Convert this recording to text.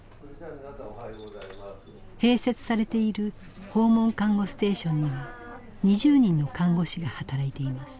併設されている訪問看護ステーションには２０人の看護師が働いています。